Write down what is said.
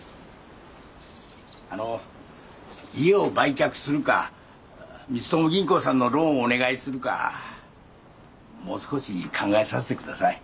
あの家を売却するか光友銀行さんのローンをお願いするかもう少し考えさせてください。